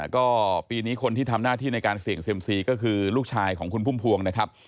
ก็ปีนี้คนที่ทำหน้าที่ในการเสี่ยงเซียมซีก็คือลูกชายของคุณพุ่มพวงนะครับ